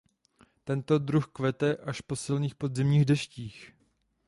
Tento druh kvete až po silných podzimních deštích.